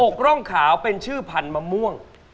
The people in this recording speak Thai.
อกร่องขาวเป็นชื่อผันมะม่วง